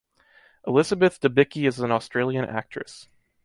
Elizabeth Debicki is an Australian actress.